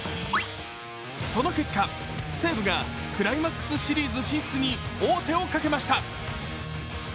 その結果、西武がクライマックスシリーズ進出に王手をかけました。